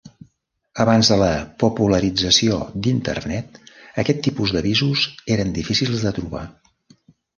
Abans de la popularització d'Internet aquest tipus d'avisos eren difícils de trobar.